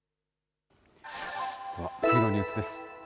では、次のニュースです。